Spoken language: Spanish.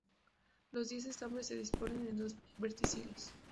Los diez estambres se disponen en dos verticilos.